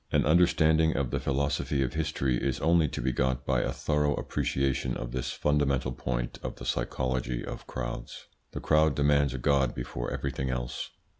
An understanding of the philosophy of history is only to be got by a thorough appreciation of this fundamental point of the psychology of crowds. The crowd demands a god before everything else.